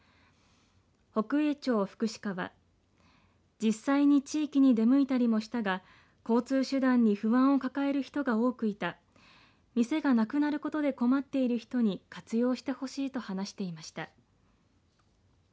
北栄町福祉課は実際に地域に出向いたりもしたが交通手段に不安を抱える人が多くいた店がなくなることで困っている人に活用してほしいと話していました。